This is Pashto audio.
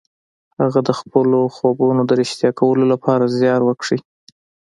هغه د خپلو خوبونو د رښتيا کولو لپاره زيار وکيښ.